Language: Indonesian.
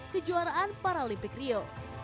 kejuaraan paralimpik rio